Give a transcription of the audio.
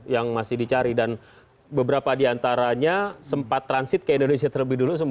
yang masih dicari dan beberapa di antaranya sempat transit ke indonesia terlebih dulu